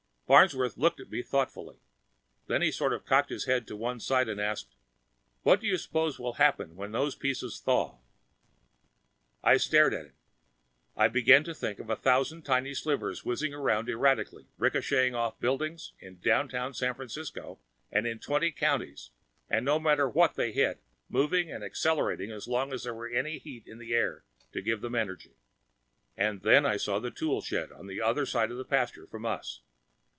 Farnsworth looked at me thoughtfully. Then he sort of cocked his head to one side and asked, "What do you suppose will happen when those pieces thaw?" I stared at him. I began to think of a thousand tiny slivers whizzing around erratically, richocheting off buildings, in downtown San Francisco and in twenty counties, and no matter what they hit, moving and accelerating as long as there was any heat in the air to give them energy. And then I saw a tool shed, on the other side of the pasture from us.